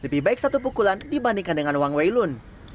lebih baik satu pukulan dibandingkan dengan wang weilun